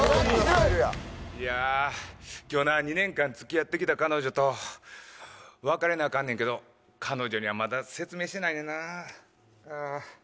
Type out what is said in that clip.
いやあ今日な２年間付き合ってきた彼女と別れなアカンねんけど彼女にはまだ説明してないねんな。